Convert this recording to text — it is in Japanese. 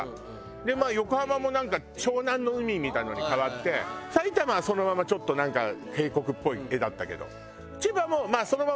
でまあ横浜もなんか湘南の海みたいのに変わって埼玉はそのままちょっとなんか渓谷っぽい絵だったけど。